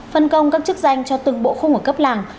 phân công các chức danh cho từng bộ khung ở cấp làng